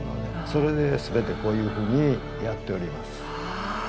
それで全てこういうふうにやっております。